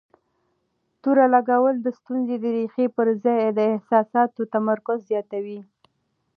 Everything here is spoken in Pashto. تور لګول د ستونزې د ريښې پر ځای د احساساتو تمرکز زياتوي.